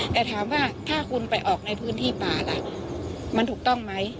แต่ถามว่าถ้าคุณไปออกในพื้นที่ป่าล่ะมันถูกต้องไหม